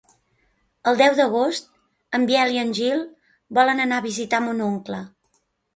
El deu d'agost en Biel i en Gil volen anar a visitar mon oncle.